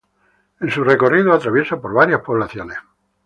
En su recorrido atraviesa por varias poblaciones.